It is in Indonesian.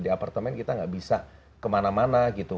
di apartemen kita nggak bisa kemana mana gitu